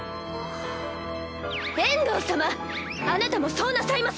エンドー様あなたもそうなさいませ！